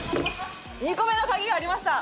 ２個目のカギがありました。